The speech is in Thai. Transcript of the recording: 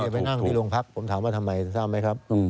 ไปนั่งที่โรงพักผมถามว่าทำไมทราบไหมครับ